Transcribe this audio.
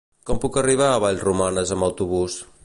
Com puc arribar a Vallromanes amb autobús?